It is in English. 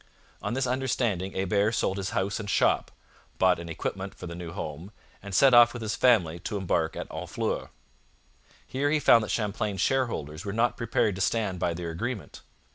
On this understanding Hebert sold his house and shop, bought an equipment for the new home, and set off with his family to embark at Honfleur. Here he found that Champlain's shareholders were not prepared to stand by their agreement.